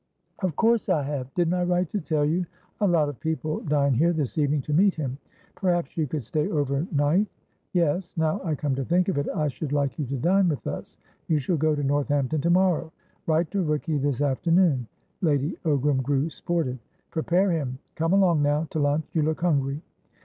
"Of course I have. Didn't I write to tell you? A lot of people dine here this evening to meet him. Perhaps you could stay over night? Yes, now I come to think of it, I should like you to dine with us. You shall go to Northampton to morrow. Write to Rooky this afternoon." Lady Ogram grew sportive. "Prepare him. Come along, now, to lunch; you look hungry."